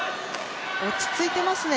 落ち着いていますね。